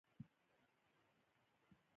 ځای ځای مو یو له بل سره اړيکې نیولې.